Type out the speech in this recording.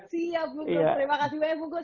siap bungkus terima kasih banyak bungkus